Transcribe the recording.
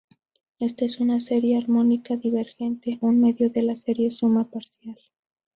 Esta es una serie armónica divergente, un medio de la serie suma parcial.